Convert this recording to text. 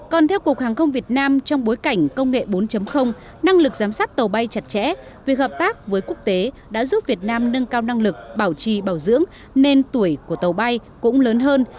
còn theo cục hàng không việt nam trong bối cảnh công nghệ bốn năng lực giám sát tàu bay chặt chẽ việc hợp tác với quốc tế đã giúp việt nam nâng cao năng lực bảo trì bảo dưỡng nên tuổi của tàu bay cũng lớn hơn